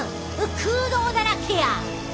空洞だらけや。